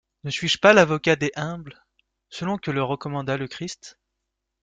Ne suis-je pas l'avocat des humbles selon que le recommanda le Christ?